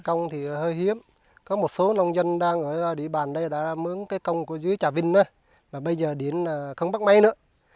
công thì hơi hiếm có một số nông dân đang ở địa bàn đây đã mướn cây công của dưới trà vinh đó mà bây giờ điện không bắt máy nữa